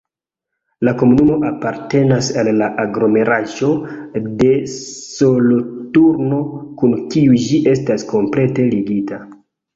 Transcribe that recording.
La komunumo apartenas al la aglomeraĵo de Soloturno, kun kiu ĝi estas komplete ligita.